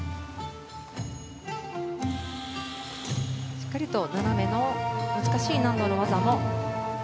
しっかりと斜めの難しい難度の技も。